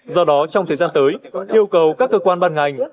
do đó trong thời gian tới yêu cầu các cơ quan bàn ngành